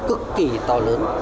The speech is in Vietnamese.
cực kỳ to lớn